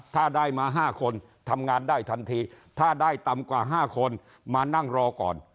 ถ้าได้มา๕คนทำงานได้ทันทีถ้าได้ต่ำกว่า๕คนมานั่งรอก่อน